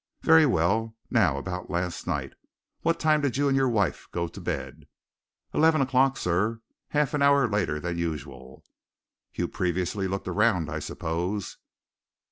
"Very well. Now, about last night. What time did you and your wife go to bed?" "Eleven o'clock, sir half an hour later than usual." "You'd previously looked round, I suppose?"